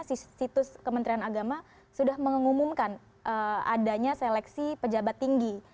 situs kementerian agama sudah mengumumkan adanya seleksi pejabat tinggi